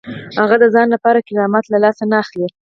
هغه د ځان لپاره له کرامت لاس نه اخلي.